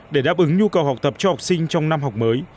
để đáp ứng nhu cầu học tập cho học sinh trong năm học mới